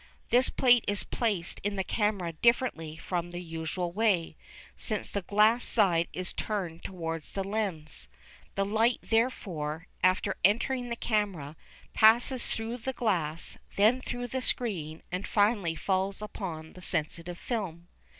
This plate is placed in the camera differently from the usual way, since the glass side is turned towards the lens. The light, therefore, after entering the camera, passes through the glass, then through the screen, and finally falls upon the sensitive film.